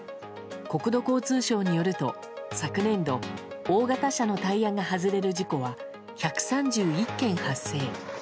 国土交通省によると昨年度、大型車のタイヤが外れる事故は１３１件発生。